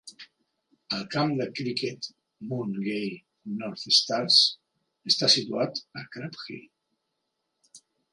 El camp de criquet Mount Gay North Stars està situat a Crab Hill.